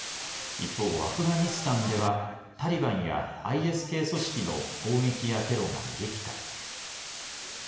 一方、アフガニスタンではタリバンやＩＳ系組織の攻撃やテロが激化。